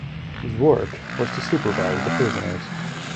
His work was to supervise the prisoners.